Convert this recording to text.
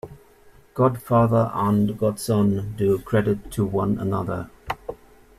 Godfather and godson do credit to one another.